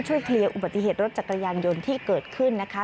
เคลียร์อุบัติเหตุรถจักรยานยนต์ที่เกิดขึ้นนะคะ